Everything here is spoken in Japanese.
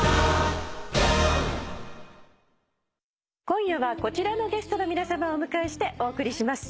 今夜はこちらのゲストの皆さまをお迎えしてお送りします。